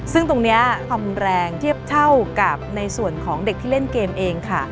ซึ่งตรงนี้ความแรงเทียบเท่ากับในส่วนของเด็กที่เล่นเกมเองค่ะ